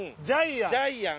ジャイアン。